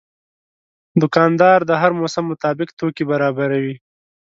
دوکاندار د هر موسم مطابق توکي برابروي.